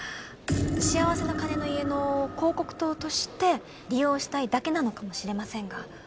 しあわせの鐘の家の広告塔として利用したいだけなのかもしれませんが。